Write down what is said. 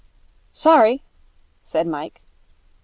'Sorry,' said Mike.